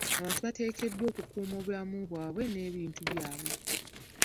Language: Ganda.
Abantu bateekeddwa okukuuma obulamu bwabwe n'ebintu byabwe.